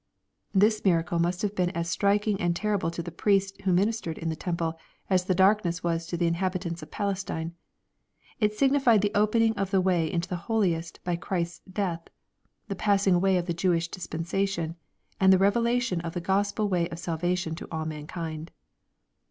] This miracle must have been as striking and terrible to the priests who ministered in the tem ple, as the darkness was to the inhabitants of Palestine. It signi fied the opening of the way into the holiest by Christ's death,— the passing away of the Jewish dispensation, — and the revelation of the Gospel way of salvation to all mankind.